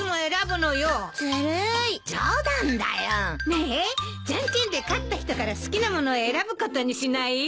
ねえジャンケンで勝った人から好きなものを選ぶことにしない？